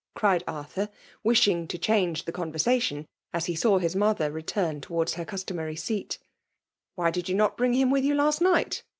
cried Arthur, widiing tQ change the conversation', as lie saw his mother return towards her customary scat. « Why did you not bring him with you last night